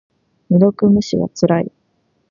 未読無視はつらい。